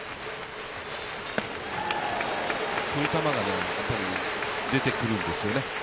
こういう球が出てくるんですよね。